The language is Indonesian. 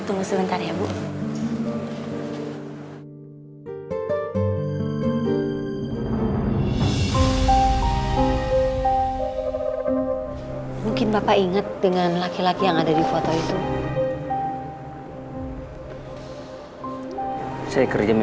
tunggu sebentar ya bu